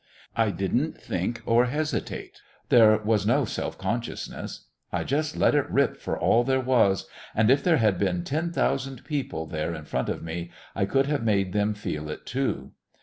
I didn't think or hesitate; there was no self consciousness; I just let it rip for all there was, and if there had been ten thousand people there in front of me, I could have made them feel it too.